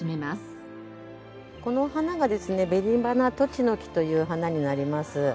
この花がですねベニバナトチノキという花になります。